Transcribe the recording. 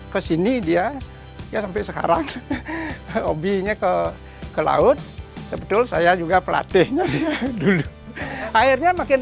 kesini dia ya sampai sekarang obinya ke ke laut sebetul saya juga pelatihnya dulu akhirnya makin